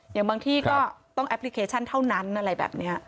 อย่างบางที่ก็ต้องแอปพลิเคชันเท่านั้นอะไรแบบนี้